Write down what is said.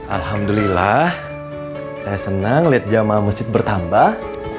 alhamdulillah saya senang lihat jamaah masjid bertambah